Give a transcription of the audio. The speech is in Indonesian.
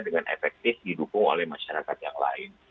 dengan efektif didukung oleh masyarakat yang lain